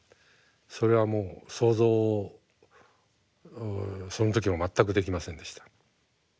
それはもう想像をその時も全くできませんでした。